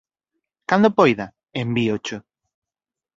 Cando poida, envíocho